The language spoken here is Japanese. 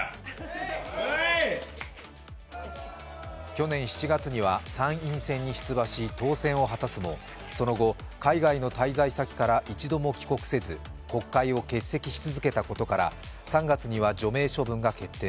去年７月に参院選に出馬し、当選を果たすもその後、海外の滞在先から一度も帰国せず国会を欠席しつづけたことから３月には除名処分が決定。